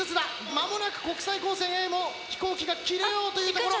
間もなく国際高専Ａも飛行機が切れようというところ。